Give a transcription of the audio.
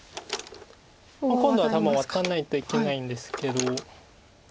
今度は多分ワタらないといけないんですけど。